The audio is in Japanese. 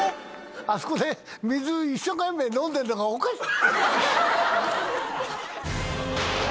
あそこで水一生懸命飲んでるのがおかしくて。